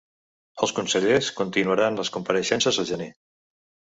Els consellers continuaran les compareixences al gener.